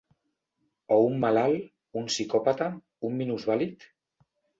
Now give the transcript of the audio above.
O un malalt, un psicòpata, un minusvàlid...